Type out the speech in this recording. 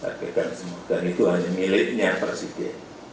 saya pegang semua dan itu hanya miliknya presiden